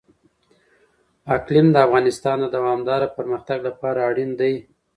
اقلیم د افغانستان د دوامداره پرمختګ لپاره اړین دي.